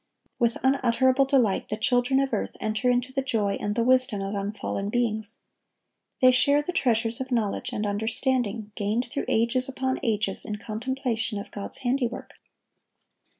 With unutterable delight the children of earth enter into the joy and the wisdom of unfallen beings. They share the treasures of knowledge and understanding gained through ages upon ages in contemplation of God's handiwork.